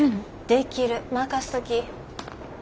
できる任せとき。